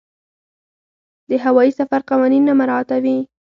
د هوايي سفر قوانین نه مراعاتوي.